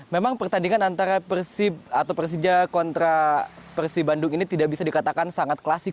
memang pertandingan antara persija kontra persi bandung ini tidak bisa dikatakan sangat klasik